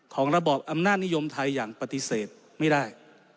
ระบอบอำนาจนิยมไทยอย่างปฏิเสธไม่ได้